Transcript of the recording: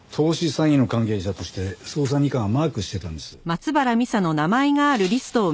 詐欺の関係者として捜査二課がマークしてたんです。